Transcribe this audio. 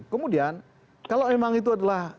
kemudian kalau memang itu adalah